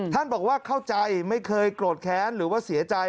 บอกว่าเข้าใจไม่เคยโกรธแค้นหรือว่าเสียใจ